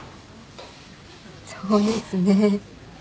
そうですね。